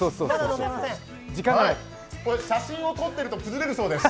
写真を撮ってると崩れるそうです。